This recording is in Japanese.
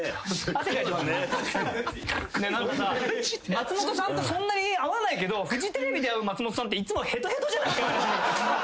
松本さんとそんなに会わないけどフジテレビで会う松本さんっていつもヘトヘトじゃないっすか？